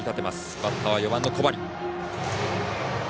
バッターは４番、小針。